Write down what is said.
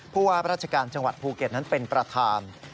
ผู้ว่าราชการจังหวัดภูเก็ตนั้นเป็นประธาน